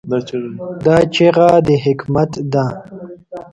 دا چیغه د حکمت ده.